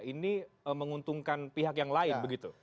ini menguntungkan pihak yang lain begitu